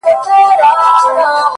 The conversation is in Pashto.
نن دي دواړي سترگي سرې په خاموشۍ كي.!